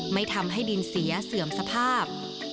ไม่ทำให้ดินเสียเสื่อมสภาพ